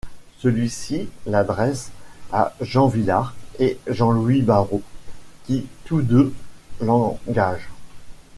Celui-ci l'adresse à Jean Vilar et Jean-Louis Barrault qui, tous deux, l'engagent.